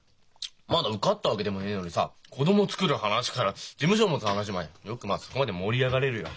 まだ受かったわけでもねえのにさ子供作る話から事務所持つ話までよくまあそこまで盛り上がれるよ。